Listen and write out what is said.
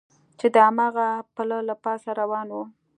چې د هماغه پله له پاسه روان و.